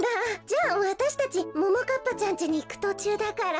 じゃあわたしたちももかっぱちゃんちにいくとちゅうだから。